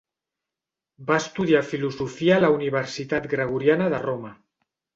Va estudiar Filosofia a la Universitat Gregoriana de Roma.